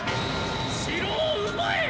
城を奪え！